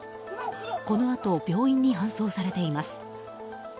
このあと病院に搬送されています。